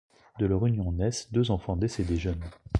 De leur union naissent deux enfants décédés jeunes.